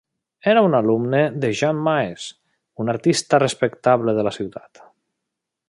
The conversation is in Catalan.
Era un alumne de Jan Maes, un artista respectable de la ciutat.